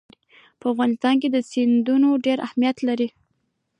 په افغانستان کې سیندونه ډېر اهمیت لري.